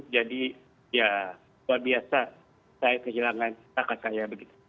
jadi ya luar biasa saya kehilangan kakak saya begitu